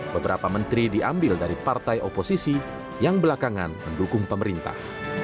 beberapa menteri diambil dari partai oposisi yang belakangan mendukung pemerintah